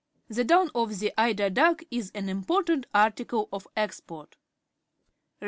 The down from the e ider duc k is an important article of export.